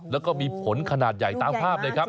แล้วก็มีผลขนาดใหญ่ตามภาพเลยครับ